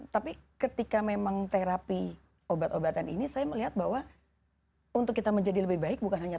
tapi ketika memang terapi obat obatan ini saya melihat bahwa untuk kita menjadi lebih baik bukan hanya